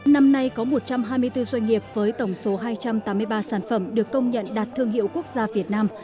năm nay có một trăm hai mươi bốn doanh nghiệp với tổng số hai trăm tám mươi ba sản phẩm được công nhận đạt thương hiệu quốc gia việt nam